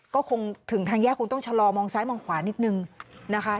ก็คงถึงทางแยกคงต้องชะลอมองซ้ายมองขวานิดนึงนะคะ